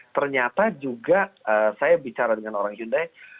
ternyata juga saya bicara dengan orang hyundai